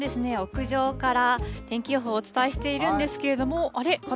きょうも屋上から天気予報をお伝えしているんですけれども、あれ？